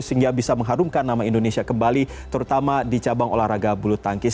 sehingga bisa mengharumkan nama indonesia kembali terutama di cabang olahraga bulu tangkis